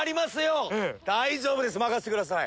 大丈夫です任せてください。